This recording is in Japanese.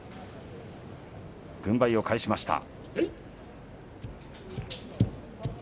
軍配を返しました。